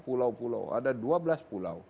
pulau pulau ada dua belas pulau